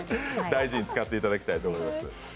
大事に使っていただきたいと思います。